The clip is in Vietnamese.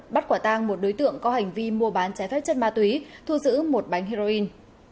bắt quả tang một đối tượng có hành vi mua bán trái phép chất ma túy thu giữ một bánh heroin